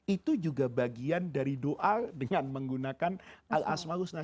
itu juga bagian dari doa dengan menggunakan al asma'ul husna